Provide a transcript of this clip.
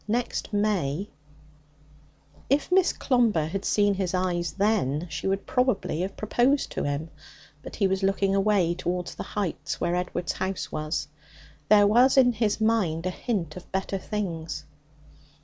Next May If Miss Clomber had seen his eyes then, she would probably have proposed to him. But he was looking away towards the heights where Edward's house was. There was in his mind a hint of better things.